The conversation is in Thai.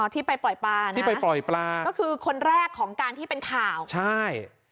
ที่ไปปล่อยปลานะที่ไปปล่อยปลาก็คือคนแรกของการที่เป็นข่าวใช่